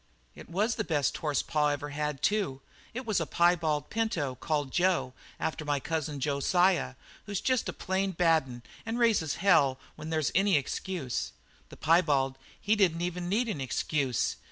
"It was the best horse pa ever had, too. It was a piebald pinto called Jo, after my cousin Josiah, who's jest a plain bad un and raises hell when there's any excuse. The piebald, he didn't even need an excuse.